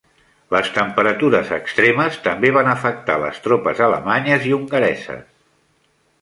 Les temperatures extremes també van afectar les tropes alemanyes i hongareses.